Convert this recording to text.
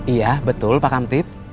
iya betul pak kamtip